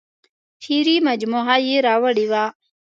شعري مجموعه یې راوړې وه.